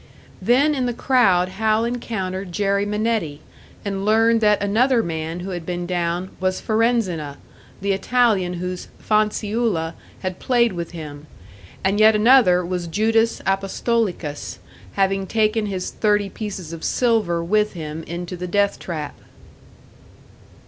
Then in the crowd Hal encountered Jerry Minetti, and learned that another man who had been down was Farenzena, the Italian whose "fanciulla" had played with him; and yet another was Judas Apostolikas having taken his thirty pieces of silver with him into the deathtrap!